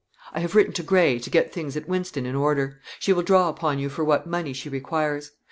I have written to Gray, to get things at Wynston in order. She will draw upon you for what money she requires.